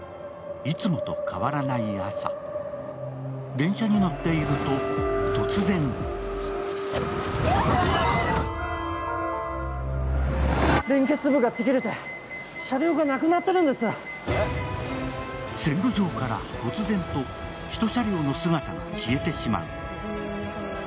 電車に乗っていると、突然線路上からこつ然と１車両の姿が消えてしまう。